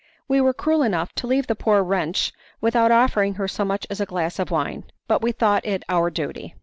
We were cruel enough to leave the poor wretch without offering her so much as a glass of wine, but we thought it our duty.